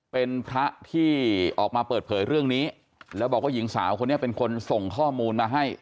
เป็นพระที่ออกมาเปิดเผยเรื่องนี้แล้วบอกว่าหญิงสาวคนนี้เป็นคนส่งข้อมูลมาให้